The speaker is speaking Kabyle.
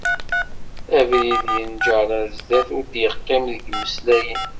Abrid yenǧer ar sdat, ur d-yeqqim deg yimeslayen.